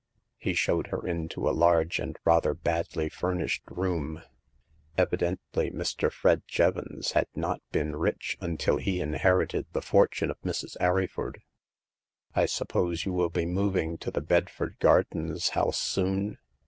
He showed her into a large and rather badly furnished room. Evidently Mr. Fred Jevons had not been rich until he inherited the fortune of Mrs. Arryford. I suppose you will be moving to the Bedford Gardens house soon